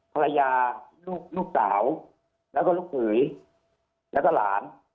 ภรรยาลูกสาวแล้วก็ลูกเขยแล้วก็หลาน